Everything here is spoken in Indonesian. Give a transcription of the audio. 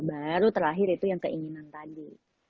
baru terakhir itu yang keinginan tadi